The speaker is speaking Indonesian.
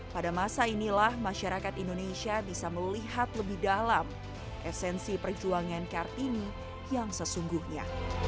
pada masa inilah masyarakat indonesia bisa melihat lebih dalam esensi perjuangan kartini yang sesungguhnya